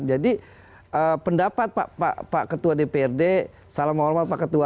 jadi pendapat pak ketua dprd salam olah pak ketua